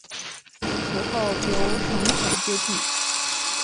死后由程普接替。